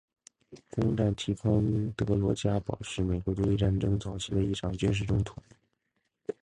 攻占提康德罗加堡是美国独立战争早期的一场军事冲突。